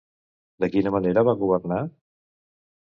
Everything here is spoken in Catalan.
De quina manera va governar?